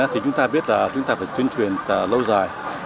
thì chúng ta biết là chúng ta phải tuyên truyền lâu dài